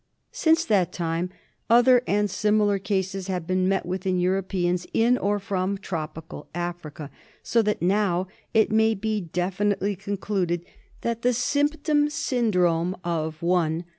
Since that time other and similar cases have been met with in Europeans in of from Tropical Africa, so that now it may be definitely concluded that the symptom syndrom of — 1.